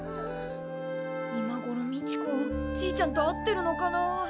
今ごろみちこじいちゃんと会ってるのかな。